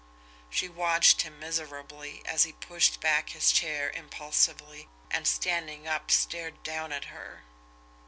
She watched him miserably, as he pushed back his chair impulsively and, standing up, stared down at her.